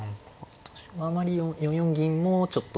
あまり４四銀もちょっと。